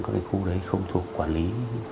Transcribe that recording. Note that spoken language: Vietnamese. các khu đấy không thuộc quản lý